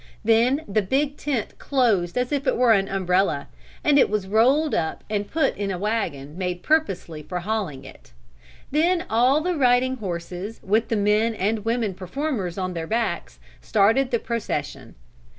Then the big tent closed as if it were an umbrella, and it was rolled up and put in a wagon made purposely for hauling it; then all the riding horses with the men and women performers on their backs, started the procession.